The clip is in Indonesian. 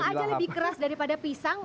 singkong saja lebih keras daripada pisang